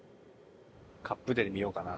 カップデリ見ようかな。